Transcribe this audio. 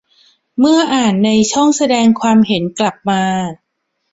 เมื่ออ่านในช่องแสดงความเห็นกลับมา